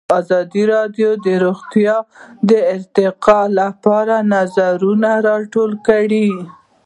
ازادي راډیو د روغتیا د ارتقا لپاره نظرونه راټول کړي.